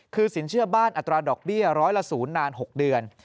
คือสินเชื่อบ้านอัตราดอกเบี้ยร้อยละ๐นาน๖เดือน